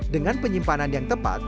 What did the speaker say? dengan penyimpanan yang tepat